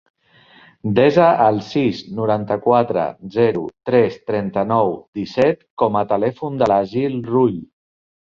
Desa el sis, noranta-quatre, zero, tres, trenta-nou, disset com a telèfon de l'Aseel Rull.